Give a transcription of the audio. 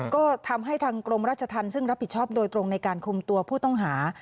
ก็ทำให้ทางกรมราชธรรมซึ่งรับผิดชอบโดยตรงในการคุมตัวผู้ต้องหา